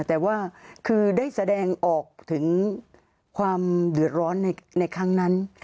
แต่ว่าคือได้แสดงออกถึงความเดือดร้อนในครั้งนั้น